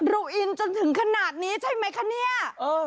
อินจนถึงขนาดนี้ใช่ไหมคะเนี่ย